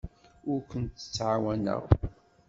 Ur kent-ttɛawaneɣ.